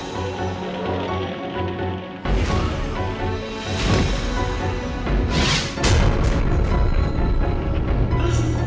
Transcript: terus gimana dokter